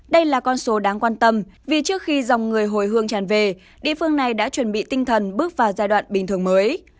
đây là con số đáng quan tâm vì trước khi dòng người hồi hương tràn về địa phương này đã chuẩn bị tinh thần bước vào giai đoạn bình thường mới